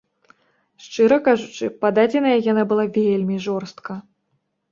Шчыра кажучы, пададзеная яна была вельмі жорстка.